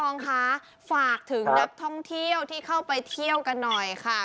รองค่ะฝากถึงนักท่องเที่ยวที่เข้าไปเที่ยวกันหน่อยค่ะ